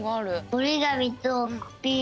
おりがみとコピー